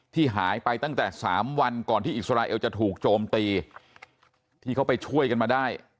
ที่หายไปตั้งแต่๓วันก่อนที่อิสราเอลจะถูกโจมตีที่เขาไปช่วยกันมาได้